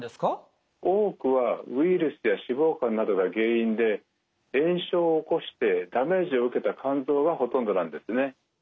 多くはウイルスや脂肪肝などが原因で炎症を起こしてダメージを受けた肝臓がほとんどなんですね。